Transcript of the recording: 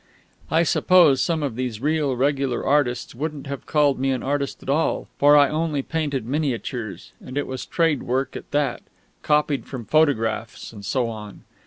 I suppose some of these real, regular artists wouldn't have called me an artist at all; for I only painted miniatures, and it was trade work at that, copied from photographs and so on.